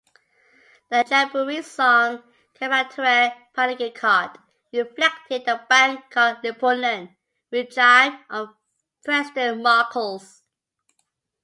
The jamboree song, "Kapatirang Paglilingkod," reflected the Bagong Lipunan regime of President Marcos.